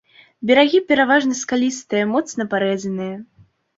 Берагі пераважна скалістыя, моцна парэзаныя.